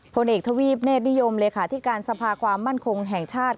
ผลเอกทวีปเนธนิยมเลขาธิการสภาความมั่นคงแห่งชาติ